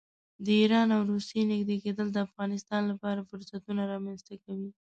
د ایران او روسیې نږدې کېدل د افغانستان لپاره فرصتونه رامنځته کوي.